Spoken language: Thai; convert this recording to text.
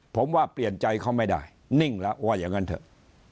ผมว่าเปลี่ยนใจเขาไม่ได้นิ่งแล้วว่าอย่างนั้นเถอะ